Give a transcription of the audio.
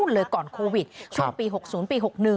เลยก่อนโควิดช่วงปี๖๐ปี๖๑